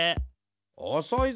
おそいぞ。